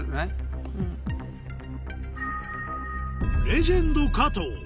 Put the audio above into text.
レジェンド加藤